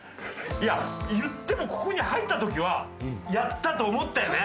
いやいってもここに入った時は「やった！」と思ったよね。